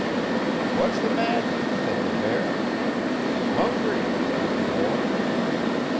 '"What's the matter?" said the bear. '"Hungry," says the boy.